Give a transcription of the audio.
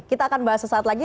kita akan bahas sesaat lagi